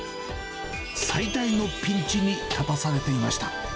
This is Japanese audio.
最大のピンチに立たされていました。